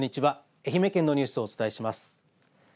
愛媛県のニュースをお伝えします。